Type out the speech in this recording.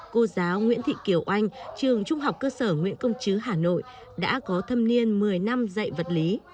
cô giáo nguyễn thị kiều oanh trường trung học cơ sở nguyễn công chứ hà nội đã có thâm niên một mươi năm dạy vật lý